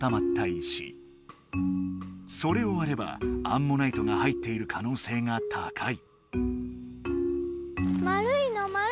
それをわればアンモナイトが入っている可能性が高い。